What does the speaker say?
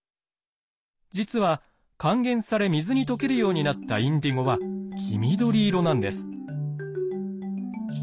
実は還元され水に溶けるようになったインディゴは黄緑色なんです。